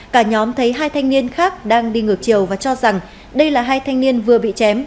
cả nhóm thấy hai thanh niên khác đang đi ngược chiều và cho rằng đây là hai thanh niên vừa bị chém